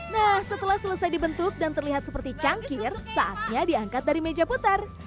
nah setelah selesai dibentuk dan terlihat seperti cangkir saatnya diangkat dari meja putar